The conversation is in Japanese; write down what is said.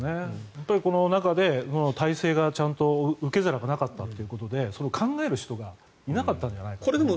この中で態勢がちゃんと受け皿がなかったということでそれを考える人がいなかったんじゃないかと思うんですね。